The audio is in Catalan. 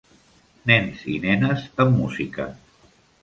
Nens i nenes amb música.